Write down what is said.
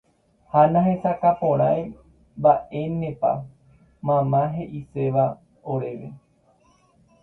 Ha nahesakãporãi mba'énepa mama he'iséva oréve.